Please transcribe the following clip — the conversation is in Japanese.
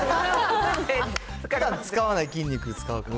ふだん使わない筋肉使うから。